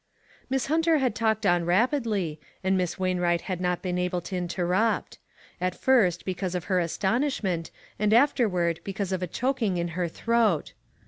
Miss Hunter had talked on rapidly, and Miss Wainwright had not been able to inter rupt ; at first because of her astonishment, and afterward because of a choking in her throat.